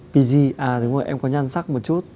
pg à đúng rồi em có nhan sắc một chút